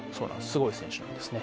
スゴい選手なんですね